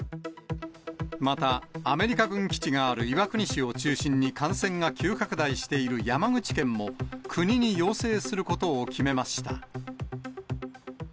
また、アメリカ軍基地がある岩国市を中心に感染が急拡大している山口県も、国に要請することを決めました。